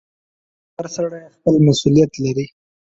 • هر سړی خپل مسؤلیت لري.